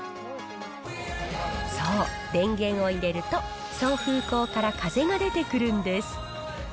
そう、電源を入れると、送風口から風が出てくるんです。